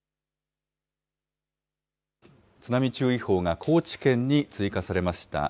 津波注意報が高知県に追加されました。